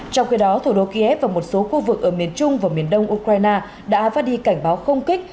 trong khi đó thủ đô kiev và một số khu vực ở miền trung và miền đông ukraine đã phát đi cảnh báo không kích